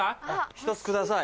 １つください。